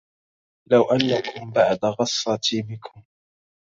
لو أنكم بعد غصتي بكم